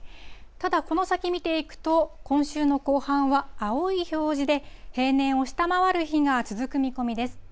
ただ、この先見ていくと、今週の後半は青い表示で、平年を下回る日が続く見込みです。